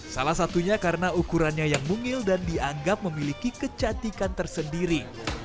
salah satunya karena ukurannya yang mungil dan dianggap memiliki kecantikan tersendiri